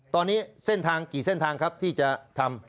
ตอนนี้เส้นทางกี่เส้นทางครับที่จะทำ